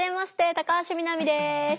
高橋みなみです。